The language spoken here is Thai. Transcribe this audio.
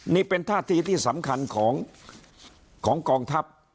นี่เป็นท่าทีที่สำคัญของกองทัพ